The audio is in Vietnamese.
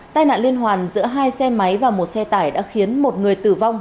tai nạn liên hoàn giữa hai xe máy và một xe tải đã khiến một người tử vong